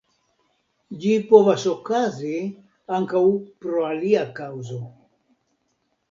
Ĝi povas okazi ankaŭ pro alia kaŭzo.